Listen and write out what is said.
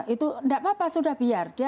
itu enggak papa sudah biar gitu ya